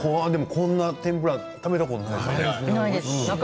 こんな天ぷら食べたことないです。